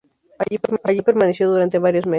Allí permaneció durante varios meses.